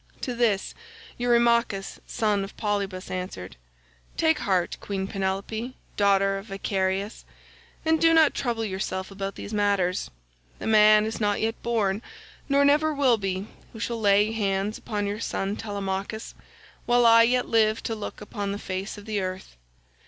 To this Eurymachus son of Polybus answered, "Take heart, Queen Penelope daughter of Icarius, and do not trouble yourself about these matters. The man is not yet born, nor never will be, who shall lay hands upon your son Telemachus, while I yet live to look upon the face of the earth.